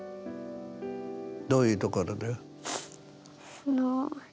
どういうところで？